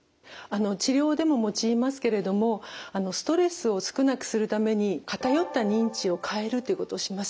治療でも用いますけれどもストレスを少なくするために偏った認知を変えるということをします。